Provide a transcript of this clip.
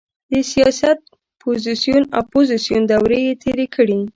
د سیاست پوزیسیون او اپوزیسیون دورې یې تېرې کړې.